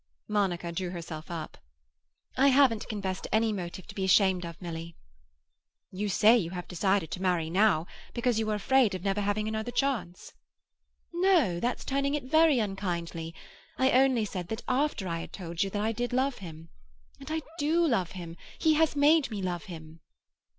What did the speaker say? Monica drew herself up. "I haven't confessed any motive to be ashamed of, Milly." "You say you have decided to marry now because you are afraid of never having another chance." "No; that's turning it very unkindly. I only said that after I had told you that I did love him. And I do love him. He has made me love him."